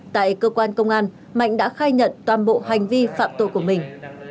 tại cơ quan công an mạnh đã khai nhận toàn bộ hành vi phạm tội của mình